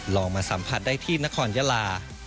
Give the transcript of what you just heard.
ลองมาสัมผัสได้ที่นครยาลา